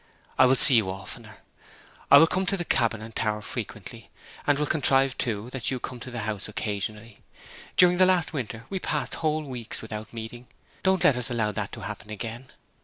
I will see you oftener. I will come to the cabin and tower frequently; and will contrive, too, that you come to the house occasionally. During the last winter we passed whole weeks without meeting; don't let us allow that to happen again.'